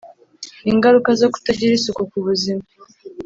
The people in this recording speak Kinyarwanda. Ingaruka zo kutagira isuku ku buzima